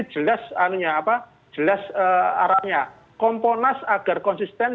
jelas arahnya komponas agar konsisten